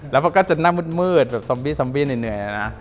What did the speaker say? แล้วก็ก็จะหน้ามืดแบบซอมบี้เหนื่อยแล้วนะ